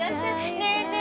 ねえねえ